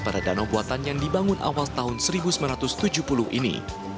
pada danau buatan yang dibangun awal tahun seribu sembilan ratus tujuh puluh ini